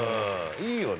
いいよね。